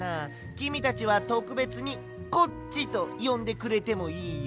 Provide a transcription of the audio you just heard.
きみたちはとくべつに「コッチ」とよんでくれてもいいよ。